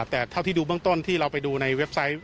แต่เท่าที่ดูเบื้องต้นที่เราไปดูในเว็บไซต์